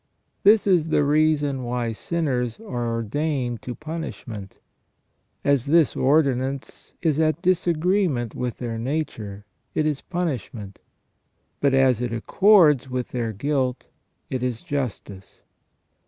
This is the reason why sinners are ordained to punishment. As this ordi nance is at disagreement with their nature, it is punishment ; but as it accords with their guilt, it is justice."